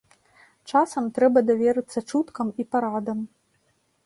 Часам трэба даверыцца чуткам і парадам.